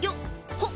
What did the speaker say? ほっ！